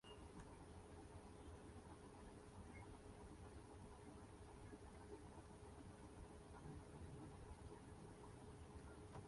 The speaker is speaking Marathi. चालुक्य व होयसळ राजांनी नागचंद्राचा सन्मान केला असे मानले जाते.